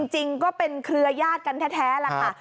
จริงก็เป็นเครือยาศกันแท้ล่ะค่ะ